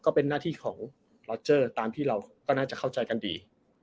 ก็เป็นหน้าที่ของล็อเจอร์ตามที่เราก็น่าจะเข้าใจกันดี